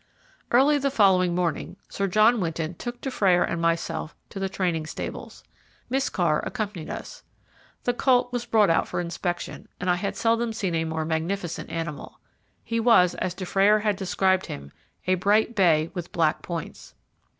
Early the following morning, Sir John Winton took Dufrayer and myself to the training stables. Miss Carr accompanied us. The colt was brought out for inspection, and I had seldom seen a more magnificent animal. He was, as Dufrayer had described him, a bright bay, with black points.